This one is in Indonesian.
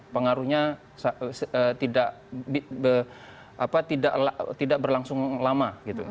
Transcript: pengaruhnya tidak berlangsung lama